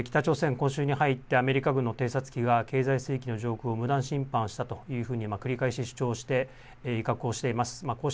北朝鮮、今週に入ってアメリカ軍の偵察機が経済水域の上空を無断侵犯したというふうに繰り返し主張して威嚇をしています。